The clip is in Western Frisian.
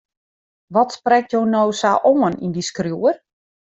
Wat sprekt jo no sa oan yn dy skriuwer?